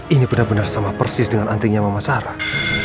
ini bener bener sama persis dengan antingnya mama sarah